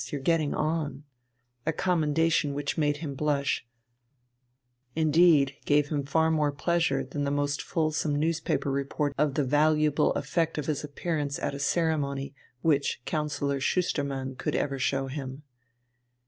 You're getting on," a commendation which made him blush, indeed gave him far more pleasure than the most fulsome newspaper report of the valuable effect of his appearance at a ceremony which Councillor Schustermann could ever show him.